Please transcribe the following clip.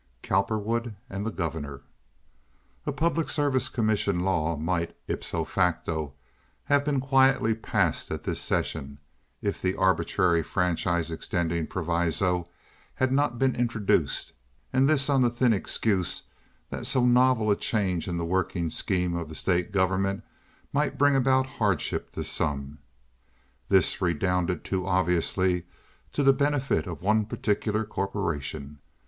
Cowperwood and the Governor A Public service commission law might, ipso facto, have been quietly passed at this session, if the arbitrary franchise extending proviso had not been introduced, and this on the thin excuse that so novel a change in the working scheme of the state government might bring about hardship to some. This redounded too obviously to the benefit of one particular corporation.